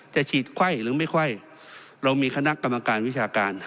จะฉีดไข้หรือไม่ค่อยเรามีคณะกรรมการวิชาการ